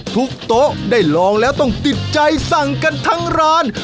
โต๊ะได้ลองแล้วต้องติดใจสั่งกันทั้งร้าน